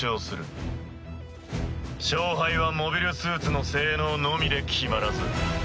勝敗はモビルスーツの性能のみで決まらず。